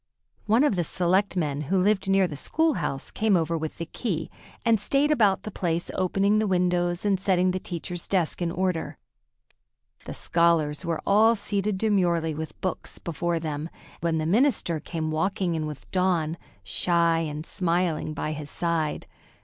One of the selectmen, who lived near the school house, came over with the key, and stayed about the place, opening the windows and setting the teacher's desk in order. The scholars were all seated demurely with books before them when the minister came walking in with Dawn, shy and smiling, by his side.